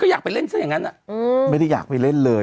ก็ไม่รู้หรอกไหน